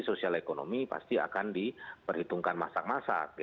sosial ekonomi pasti akan diperhitungkan masak masak